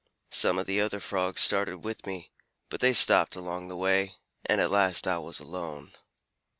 Some of the other Frogs started with me, but they stopped along the way, and at last I was alone.